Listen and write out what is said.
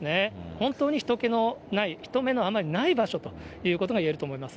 本当にひと気のない、人目のあまりない場所ということがいえると思います。